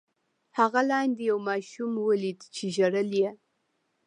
هغه لاندې یو ماشوم ولید چې ژړل یې.